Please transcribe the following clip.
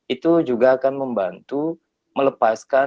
itu juga akan membantu melepaskan